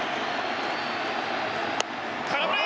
空振り！